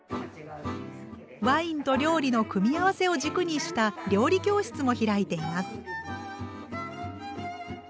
ワインと料理の組み合わせを軸にした料理教室も開いています。